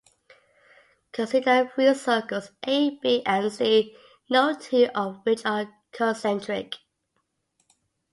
Consider three circles A, B and C, no two of which are concentric.